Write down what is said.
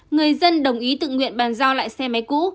người dân đồng ý tự nguyện bàn giao lại xe máy cũ